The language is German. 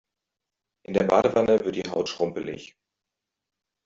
In der Badewanne wird die Haut schrumpelig.